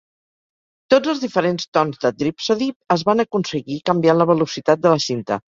Tots els diferents tons de "Dripsody" es van aconseguir canviant la velocitat de la cinta.